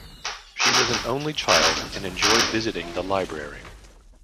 She was an only child and enjoyed visiting the library.